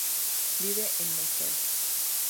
Vive en Montreal.